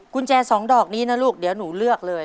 กุญแจสองดอกนี้นะลูกเดี๋ยวหนูเลือกเลย